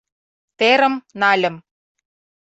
Терым нальым -